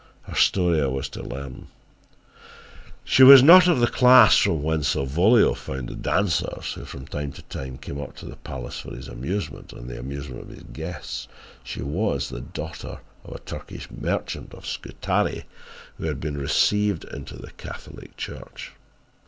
Her story I was to learn. She was not of the class from whence Salvolio found the dancers who from time to time came up to the palace for his amusement and the amusement of his guests. She was the daughter of a Turkish merchant of Scutari who had been received into the Catholic Church.